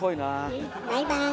うんバイバーイ。